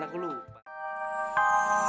tidak aku lupa